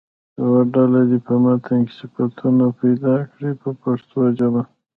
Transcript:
یوه ډله دې په متن کې صفتونه پیدا کړي په پښتو ژبه.